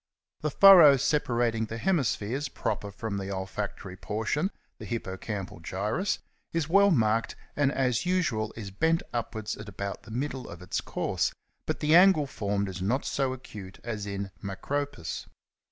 The furrow separating the hemispheres proper from the olfactory portion (the hippocampal gyrus) is well marked, and as usual is bent upwards at about the middle of its course, but the angle formed is not so acute as in Macropus.